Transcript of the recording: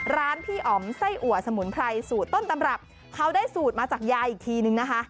ร้านพี่อ๋อมไส้อัวสมุนไพรสูตรต้นตำรับเขาได้สูตรมาจากยายอีกทีนึงนะคะ